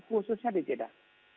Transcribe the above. khususnya di jeddah